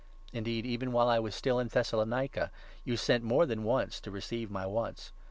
Indeed, 16 even while I was still in Thessalonica, you sent more than once to relieve my wants.